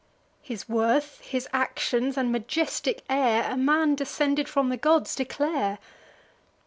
His worth, his actions, and majestic air, A man descended from the gods declare.